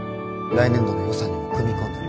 来年度の予算にも組み込んで。